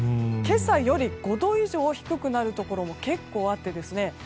今朝より５度以上低くなるところも結構、あってですね。